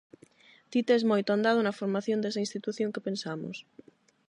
Ti tes moito andado na formación desa institución que pensamos.